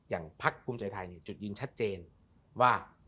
อย่างพักภไทยจุดยืนชัดเจนว่า